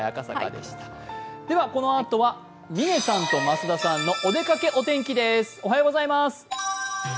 では、このあとは嶺さんと増田さんのお出かけお天気です。